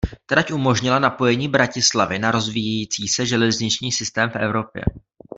Trať umožnila napojení Bratislavy na rozvíjející se železniční systém v Evropě.